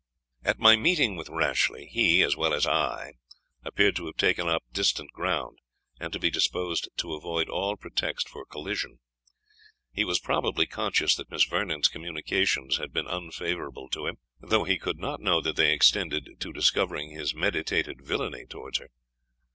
At my meeting with Rashleigh, he, as well as I, appeared to have taken up distant ground, and to be disposed to avoid all pretext for collision. He was probably conscious that Miss Vernon's communications had been unfavourable to him, though he could not know that they extended to discovering his meditated villany towards her.